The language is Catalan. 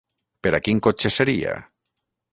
Per a quin cotxe seria?